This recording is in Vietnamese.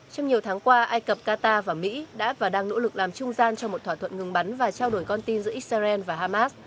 trong nhiều tháng qua ai cập qatar và mỹ đã và đang nỗ lực làm trung gian cho một thỏa thuận ngừng bắn và trao đổi con tin giữa israel và hamas